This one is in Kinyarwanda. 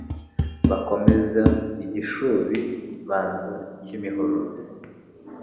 Bakomeza i Gishubi baza Kimihurura